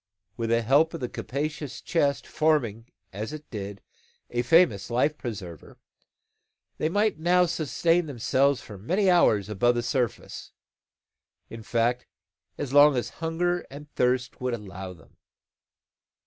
With the help of the capacious chest forming, as it did, a famous life preserver they might now sustain themselves for many hours above the surface, in fact, as long as hunger and thirst would allow them.